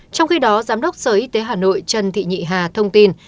trong khi đó giám đốc sở y tế hà nội trần thị nhị hà thông tin